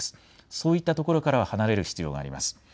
そういった所からは離れる必要があります。